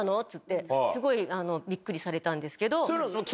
すごいビックリされたんですけど。